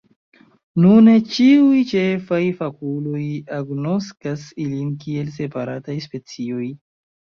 Nune ĉiuj ĉefaj fakuloj agnoskas ilin kiel separataj specioj.